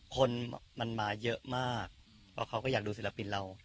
คนมันมาเยอะมากเพราะเขาก็อยากดูศิลปินเรา